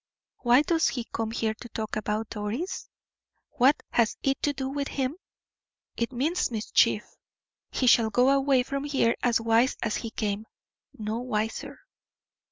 Why does he come here to talk about Doris? What has it to do with him? It means mischief. He shall go away from here as wise as he came no wiser."